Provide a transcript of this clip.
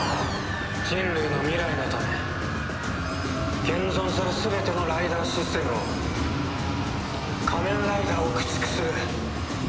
人類の未来のため現存する全てのライダーシステムを仮面ライダーを駆逐する。